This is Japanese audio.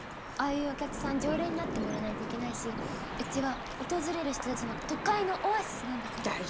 ああいうお客さん常連になってもらわないといけないしうちは訪れる人たちの都会のオアシスなんだから。